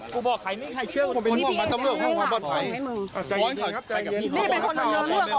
กูบอกใครไม่ให้เชื่อ